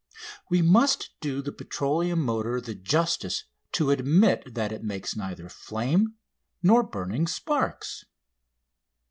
We must do the petroleum motor the justice to admit that it makes neither flame nor burning sparks.